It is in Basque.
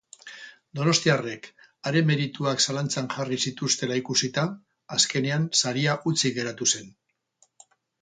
Donostiarrek haren merituak zalantzan jarri zituztela ikusita, azkenean saria hutsik geratu zen.